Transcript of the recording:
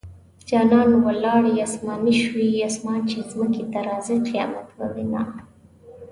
جانانه ولاړې اسماني شوې - اسمان چې ځمکې ته راځي؛ قيامت به وينه